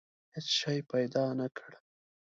هېڅ شی پیدا نه کړ.